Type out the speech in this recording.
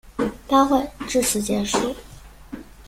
标会至此结束。